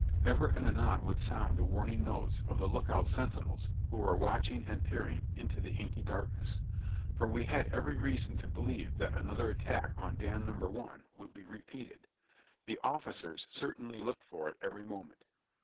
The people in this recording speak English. Ever and anon would sound the warning notes of the look out sentinels who were watching and peering into the inky darkness ; for we had every reason to believe that another attack on Dam No. i would be re peated. The officers certainly looked for it every moment.